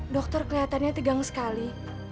dokter keliatannya tegang sekali